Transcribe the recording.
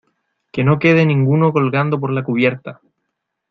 que no quede ninguno colgando por la cubierta.